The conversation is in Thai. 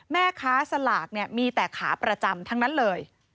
แม่ค้าสลากมีแต่ขาประจำทั้งนั้นเลย